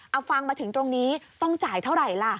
เอาฟังมาถึงตรงนี้ต้องจ่ายเท่าไหร่ล่ะ